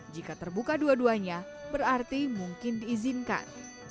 jika terbuka dua duanya berarti mungkin diizinkan